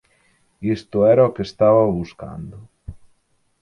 Isto era o que estaba buscando